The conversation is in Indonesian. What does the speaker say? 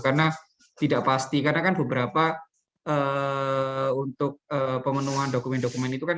karena tidak pasti karena kan beberapa untuk pemenuhan dokumen dokumen itu kan